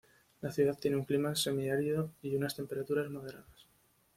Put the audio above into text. La ciudad tiene un clima semiárido y unas temperaturas moderadas.